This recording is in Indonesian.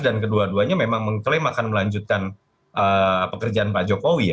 dan kedua duanya memang mengklaim akan melanjutkan pekerjaan pak jokowi